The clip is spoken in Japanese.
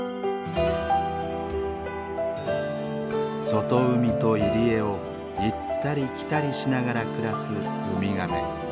外海と入り江を行ったり来たりしながら暮らすウミガメ。